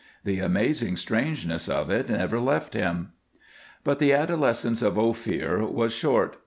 The amazing strangeness of it never left him. But the adolescence of Ophir was short.